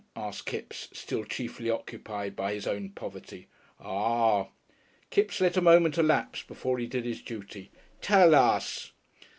asked Kipps, still chiefly occupied by his own poverty. "Ah!" Kipps let a moment elapse before he did his duty. "Tell us!"